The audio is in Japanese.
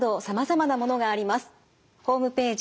ホームページ